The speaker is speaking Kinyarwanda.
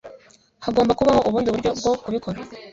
Hagomba kubaho ubundi buryo bwo kubikora